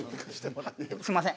すんません。